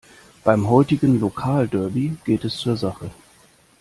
Beim heutigen Lokalderby geht es zur Sache.